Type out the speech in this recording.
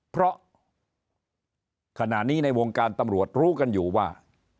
เพราะขณะนี้ในวงการตำรวจรู้กันอยู่ว่า